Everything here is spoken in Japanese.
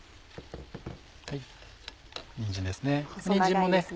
にんじんですね。